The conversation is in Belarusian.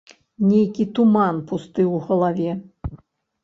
Нейкі туман пусты ў галаве.